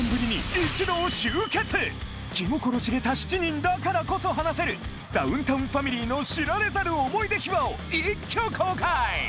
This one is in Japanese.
気心知れた７人だからこそ話せるダウンタウンファミリーの知られざる思い出秘話を一挙公開！